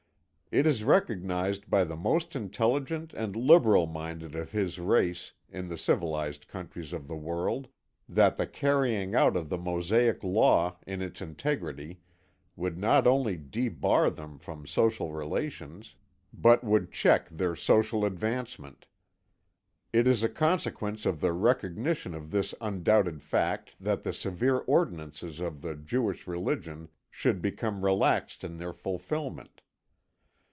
It is recognised by the most intelligent and liberal minded of his race in the civilised countries of the world that the carrying out of the Mosaic law in its integrity would not only debar them from social relations, but would check their social advancement. It is a consequence of the recognition of this undoubted fact that the severe ordinances of the Jewish religion should become relaxed in their fulfilment.